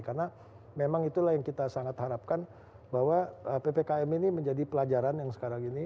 karena memang itulah yang kita sangat harapkan bahwa ppkm ini menjadi pelajaran yang sekarang ini